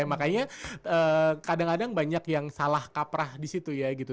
makanya kadang kadang banyak yang salah kaprah di situ ya gitu